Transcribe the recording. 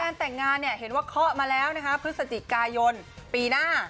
แต่งงานเนี่ยเห็นว่าเคาะมาแล้วนะคะพฤศจิกายนปีหน้า